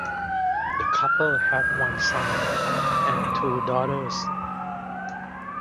The couple have one son and two daughters.